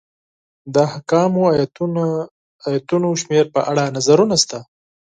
د احکامو ایتونو شمېر په اړه نظرونه شته.